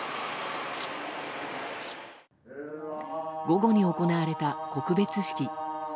午後に行われた告別式。